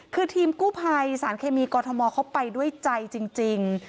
คือทีมกู้ภัยสารเคมีกรทมเขาไปด้วยใจจริง